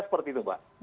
seperti itu mbak